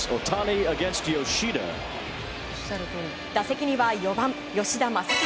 打席には４番、吉田正尚。